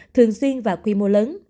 thường xuyên và quy mô lớn